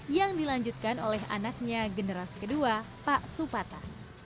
yang dilanjutkan oleh anaknya generasi kedua pak supata